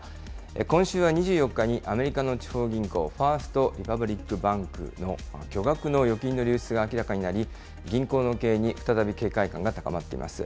今週は２４日にアメリカの地方銀行、ファースト・リパブリック・バンクの巨額の預金の流出が明らかになり、銀行の経営に再び警戒感が高まっています。